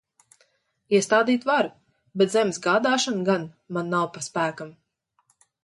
Iestādīt varu, bet zemes gādāšana gan man nav pa spēkam.